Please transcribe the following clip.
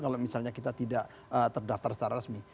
kalau misalnya kita tidak terdaftar secara resmi